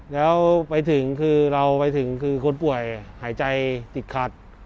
แล้วไปถึงคือเราไปถึงคือคนป่วยหายใจติดขัด